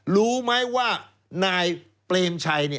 รู้ไหมว่านายเปรมชัย